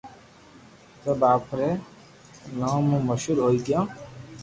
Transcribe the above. سب آپري نوم مون مݾھور ھوئي گيو